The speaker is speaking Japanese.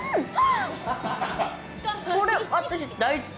これ、私、大好き！